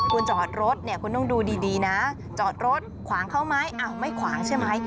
คุณจอดรถเนี่ยคุณต้องดูดีนะจอดรถขวางเขาไหมไม่ขวางใช่ไหม